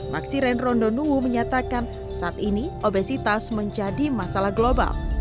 maksiren rondonuwo menyatakan saat ini obesitas menjadi masalah global